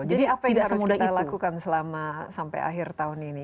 jadi apa yang harus kita lakukan selama sampai akhir tahun ini